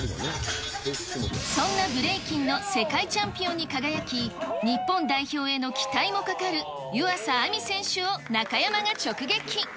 そんなブレイキンの世界チャンピオンに輝き、日本代表への期待もかかる、湯浅亜実選手を中山が直撃。